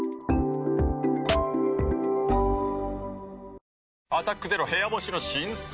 ファン投票でご「アタックＺＥＲＯ部屋干し」の新作。